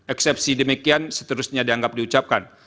eksepsi demikian seterusnya dianggap diucapkan